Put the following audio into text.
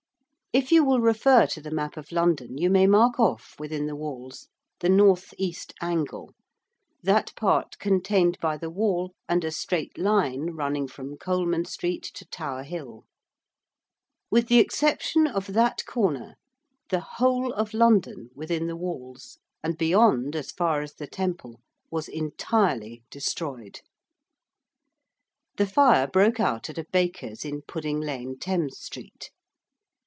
If you will refer to the map of London you may mark off within the walls the North East angle: that part contained by the wall and a straight line running from Coleman Street to Tower Hill. With the exception of that corner the whole of London within the walls, and beyond as far as the Temple, was entirely destroyed. The fire broke out at a baker's in Pudding Lane, Thames Street.